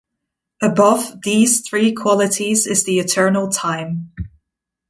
Above these three qualities is the eternal time.